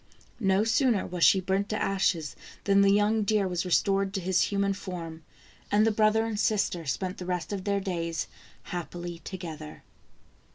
No sooner was she burnt to ashes than the young deer was restored to his human form, and the brother and sister spent the rest of their days happily together.